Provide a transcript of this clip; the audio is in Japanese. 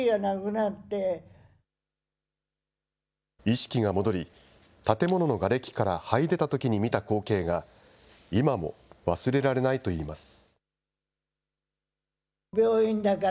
意識が戻り、建物のがれきからはい出たときに見た光景が、今も忘れられないといいます。